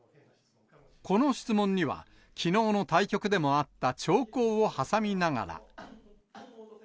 この質問には、きのうの対局でもあった長考を挟みながら。